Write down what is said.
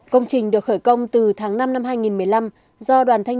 công trình được khởi công từ tháng năm năm hai nghìn một mươi năm